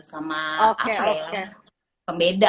sama apa yang pembeda